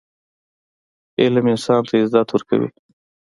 علم انسان ته عزت ورکوي.